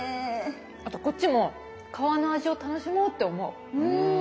あとこっちも皮の味を楽しもうって思う。